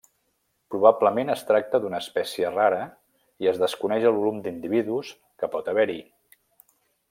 Probablement es tracta d'una espècie rara i es desconeix el volum d'individus que pot haver-hi.